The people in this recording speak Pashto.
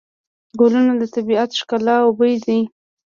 ګلونه د طبیعت ښکلا او بوی دی.